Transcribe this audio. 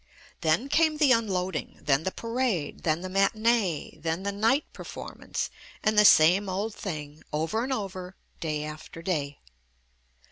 Then came the unloading, then the parade, then the matinee, then the night performance, and the same old thing over and over day after day.